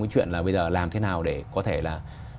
cái chuyện là bây giờ làm thế nào để có thể là